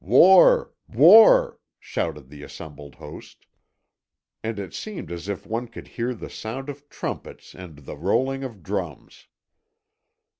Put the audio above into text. "War! War!" shouted the assembled host. And it seemed as if one could hear the sound of trumpets and the rolling of drums.